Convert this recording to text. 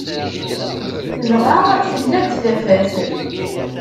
Dɣa tella-d tafat.